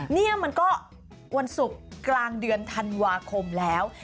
นี่มันก็วันศุกร์กลางเดือนธันวาคมแล้ว